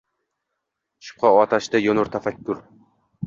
Shubha otashida yonar tafakkur